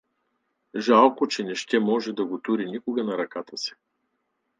— Жалко, че не ще да може да го тури никога на ръката си!